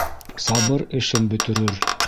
Сабыр эшен бөтөрөр